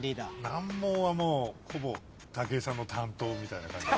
難問はもうほぼ武井さんの担当みたいな感じ。